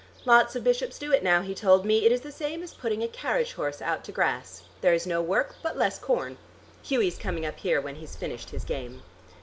Lots of bishops do it now, he told me; it is the same as putting a carriage horse out to grass: there is no work, but less corn. Hughie's coming up here when he's finished his game."